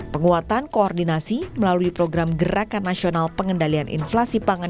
penguatan koordinasi melalui program gerakan nasional pengendalian inflasi pangan